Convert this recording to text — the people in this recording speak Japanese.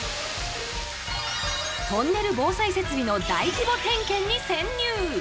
トンネル防災設備の大規模点検に潜入。